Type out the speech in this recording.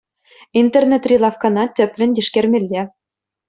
Интернетри лавккана тӗплӗн тишкермелле.